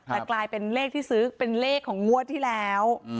แต่กลายเป็นเลขที่ซื้อเป็นเลขของงวดที่แล้ว